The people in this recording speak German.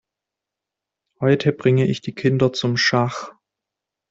Heute bringe ich die Kinder zum Schach.